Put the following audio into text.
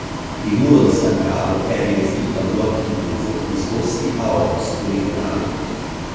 Il muro distaccato è rivestito da blocchi di tufo disposti a opus poligonale.